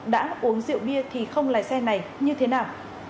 đã uống rượu bia thì không lái xe này như thế nào